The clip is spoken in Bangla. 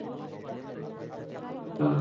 আমিও খোঁজ নিয়েছিলাম, বেটা!